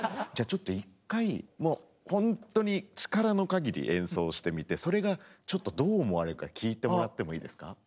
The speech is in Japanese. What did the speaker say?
じゃあちょっと一回ほんとに力の限り演奏してみてそれがちょっとどう思われるか聴いてもらってもいいですか。